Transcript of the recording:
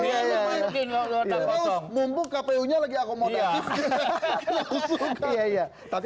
mumpung kpu nya lagi akomodasi